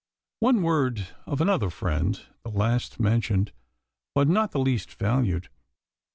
One word of another friend the last mentioned, but not the least valued.